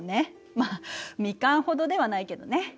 まあミカンほどではないけどね。